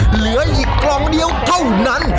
เหลืออีกกล่องเดียวเท่านั้น